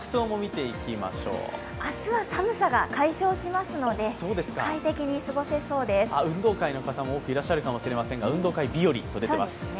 明日は寒さが解消しますので運動会の方も多くいらっしゃるかもしれませんが運動会日和と出ています。